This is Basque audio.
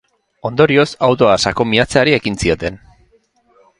Ondorioz, autoa sakon miatzeari ekin zioten.